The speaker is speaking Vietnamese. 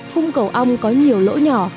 khung cầu ong có nhiều lỗ nhỏ